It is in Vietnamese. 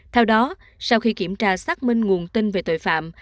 theo đó sau khi kiểm tra xác minh nguồn tin về tội phạm